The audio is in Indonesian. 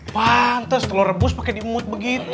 pantes telur rebus pake diumut begitu